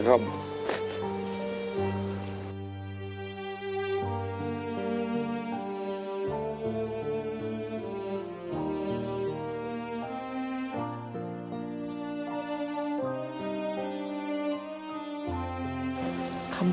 ผมคิดว่าสงสารแกครับ